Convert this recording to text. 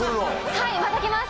はいまた来ます。